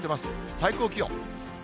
最高気温。